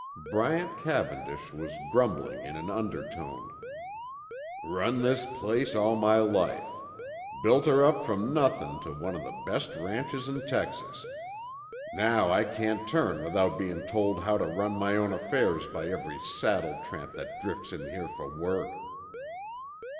Bryant Cavendish was grumbling in an undertone. "Run this place all my life. Built 'er up from nothin' to one o' the best ranches in Texas. Now I can't turn without bein' told how tuh run my own affairs by every saddle tramp that drifts in here fer work."